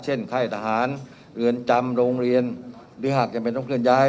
เช่นไข้ทหารเหลือนจำโรงเรียนหรือหากยังไม่ต้องเคลื่อนย้าย